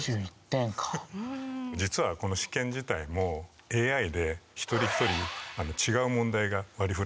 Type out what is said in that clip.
実はこの試験自体もＡＩで一人一人違う問題が割りふられたり。